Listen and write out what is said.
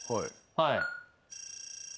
はい。